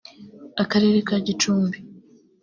Akarere ka Gicumbi